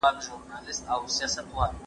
ژړا خــود نـه سې كـولاى